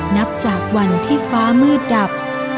นับจากวันที่ฟ้ามืดดับ